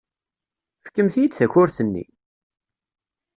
Fkemt-iyi-d takurt-nni!